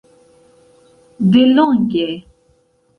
delonge